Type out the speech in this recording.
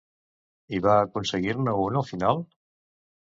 I va aconseguir-ne un al final?